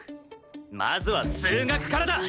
まずは数学からだ！